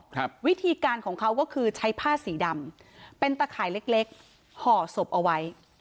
ครับวิธีการของเขาก็คือใช้ผ้าสีดำเป็นตะข่ายเล็กเล็กห่อศพเอาไว้